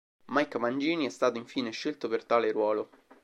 Mike Mangini è stato infine scelto per tale ruolo.